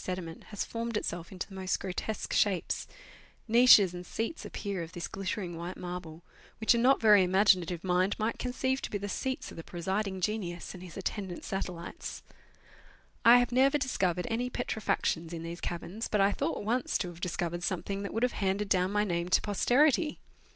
249 sediment has formed itself into the most grotesque shapes ; niches and seats appear of this glittering white marble, which a not very imaginative mind might conceive to be the seats of the presiding genius and his attendant satellites. I have never discovered any petrifactions in these caverns, but I thought once to have discovered something that would have handed down my name to posterity.